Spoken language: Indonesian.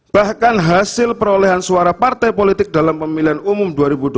bahkan hasil perolehan suara partai politik dalam pemilihan umum dua ribu dua puluh